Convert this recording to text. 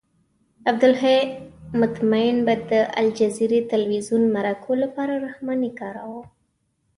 عبدالحی مطمئن به د الجزیرې تلویزیون مرکو لپاره رحماني کاراوه.